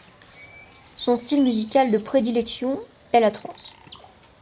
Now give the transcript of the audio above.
Son style musical de prédilection est la trance.